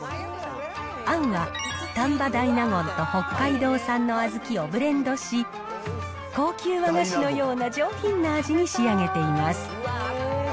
あんは丹波大納言と北海道産の小豆をブレンドし、高級和菓子のような上品な味に仕上げています。